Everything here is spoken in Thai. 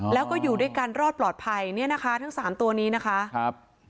แล้วก็อยู่ด้วยกันรอดปลอดภัยทั้ง๓ตัวนี้นะคะ